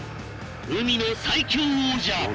海の最恐王者